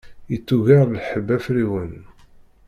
Yettugar lḥebb afriwen.